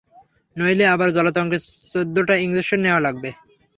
নইলে আবার জলাতঙ্কের চোদ্দটা ইনজেকশন নেওয়া লাগবে।